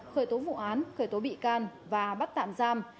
khởi tố vụ án khởi tố bị can và bắt tạm giam